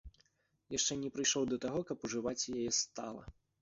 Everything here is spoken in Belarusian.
Яшчэ не прыйшоў да таго, каб ужываць яе стала.